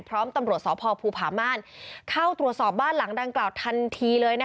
พร้อมตำรวจสพภูผาม่านเข้าตรวจสอบบ้านหลังดังกล่าวทันทีเลย